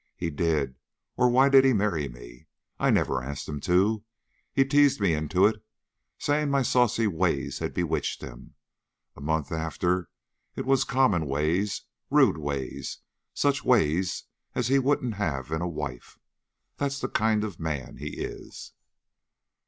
He did, or why did he marry me? I never asked him to. He teased me into it, saying my saucy ways had bewitched him. A month after, it was common ways, rude ways, such ways as he wouldn't have in a wife. That's the kind of man he is."